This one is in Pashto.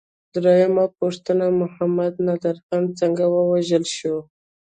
درېمه پوښتنه: محمد نادر خان څنګه ووژل شو؟